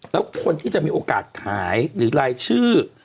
แล้วคนที่จะมีโอกาสขายหรือรายชื่อ